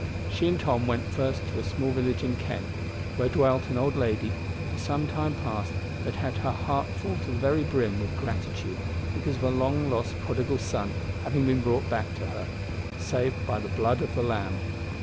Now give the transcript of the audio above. She and Tom went first to a small village in Kent, where dwelt an old lady who for some time past had had her heart full to the very brim with gratitude because of a long lost prodigal son having been brought back to her saved by the blood of the Lamb.